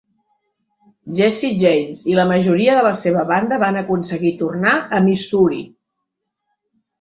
Jesse James i la majoria de la seva banda van aconseguir tornar a Missouri.